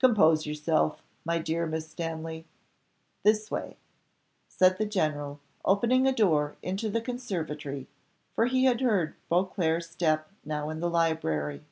"Compose yourself, my dear Miss Stanley this way," said the general, opening a door into the conservatory, for he heard Beauclerc's step now in the library.